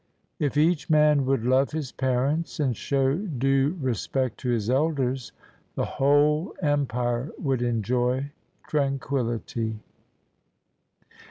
If each man would love his parents and show due respect to his elders, the whole empire would enjoy tranquillity.